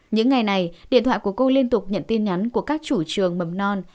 những ngày này điện thoại của cô liên tục nhận tin nhắn của các chủ trường mầm non